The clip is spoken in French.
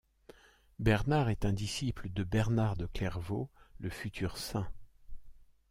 Bernard est un disciple de Bernard de Clairvaux, le futur saint.